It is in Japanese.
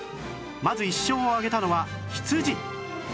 まず１勝を上げたのは羊